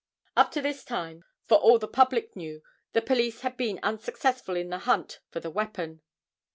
Up to this time, for all the public knew, the police had been unsuccessful in the hunt for the weapon.